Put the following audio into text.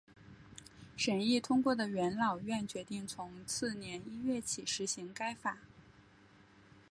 审议通过的元老院决定从次年一月起施行该法。